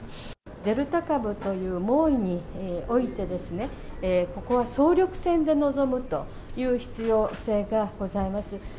デルタ株という猛威において、ここは総力戦で臨むという必要性がございます。